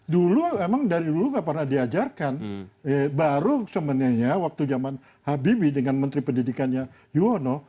dulu emang dari dulu nggak pernah diajarkan baru sebenarnya waktu zaman habibie dengan menteri pendidikannya yuwono